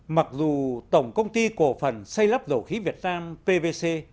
mặc dù tổng công ty cổ phần xây lắp dầu khí việt nam pvc